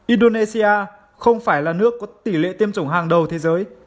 indonesia không phải là nước có tỷ lệ tiêm chủng hàng đầu thế giới